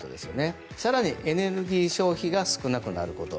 更に、エネルギー消費が少なくなること。